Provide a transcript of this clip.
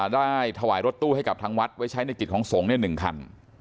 ได้ถวายรถตู้ให้กับทางวัดไว้ใช้ในกิจของสงฆ์๑คัน